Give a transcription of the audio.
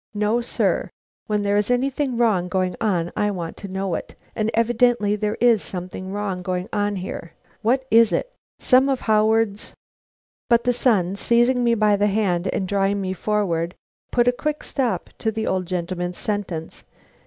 No, sir, when there is anything wrong going on I want to know it, and evidently there is something wrong going on here. What is it? Some of Howard's " But the son, seizing me by the hand and drawing me forward, put a quick stop to the old gentleman's sentence.